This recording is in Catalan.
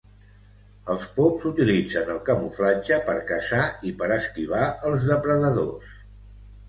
Els pops utilitzen el camuflatge per caçar i per esquivar els depredadors.